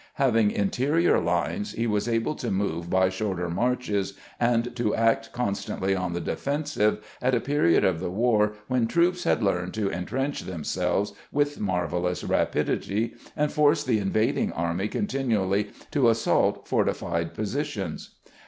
Having interior lines, he was able to move by shorter marches, and to act constantly on the defensive at a period of the war when troops had learned to intrench themselves with marvelous rapidity, and force the in vading army continually to assault fortified positions.